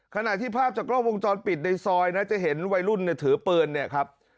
ขณะที่ภาพจากกล้องวงจรปิดในซอยนะจะเห็นวัยรุ่นเนี่ยถือปืนเนี่ยครับ